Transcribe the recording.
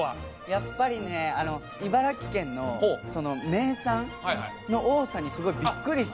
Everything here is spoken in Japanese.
やっぱりね茨城県の名産の多さにすごいびっくりしたんですよ。